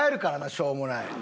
しょうもない。